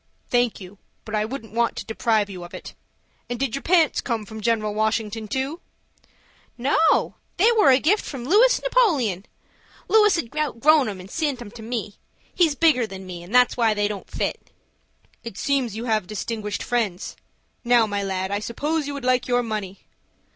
"Thank you, but I wouldn't want to deprive you of it. And did your pants come from General Washington too?" "No, they was a gift from Lewis Napoleon. Lewis had outgrown 'em and sent 'em to me,—he's bigger than me, and that's why they don't fit." "It seems you have distinguished friends. Now, my lad, I suppose you would like your money."